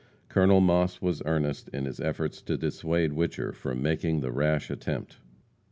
Col. Moss was earnest in his efforts to dissuade Whicher from making the rash attempt.